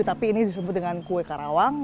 tapi ini disebut dengan kue karawang